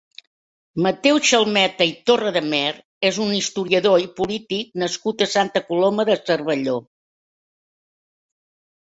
Mateu Chalmeta i Torredemer és un historiador i polític nascut a Santa Coloma de Cervelló.